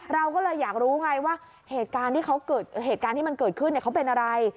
เราก็เลยอยากรู้ไงว่าเหตุการณ์ที่มันเกิดขึ้นเขาเป็นอะไร